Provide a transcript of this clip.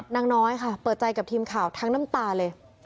นางน้อยค่ะเปิดใจกับทีมข่าวทั้งน้ำตาเลย